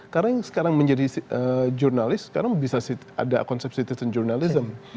karena yang sekarang menjadi jurnalis sekarang ada konsep citizen journalism